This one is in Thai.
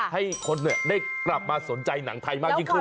ให้คนได้กลับมาสนใจหนังไทยมากยิ่งขึ้น